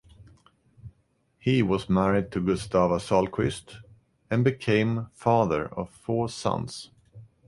He was married to Gustava Sahlquist and became the father of four sons.